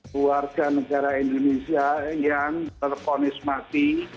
keluarga negara indonesia yang terponis mati